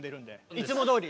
いつもどおり。